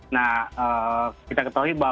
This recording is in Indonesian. nah kita ketahui bahwa